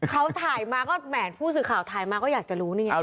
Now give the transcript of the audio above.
เขาถ่ายมาก็แหมผู้สื่อข่าวถ่ายมาก็อยากจะรู้นี่ไง